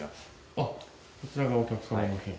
あっこちらがお客様の部屋。